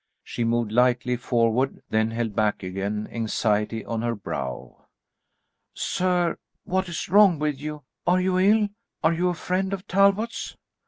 She moved lightly forward, then held back again, anxiety on her brow. "Sir, what is wrong with you? Are you ill? Are you a friend of Talbot's?"